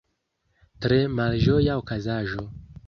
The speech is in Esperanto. Tre malĝoja okazaĵo.